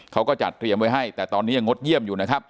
เขาก็จัดเตรียมไว้ให้แต่ตอนนี้ยังงดเยี่ยมอยู่นะครับ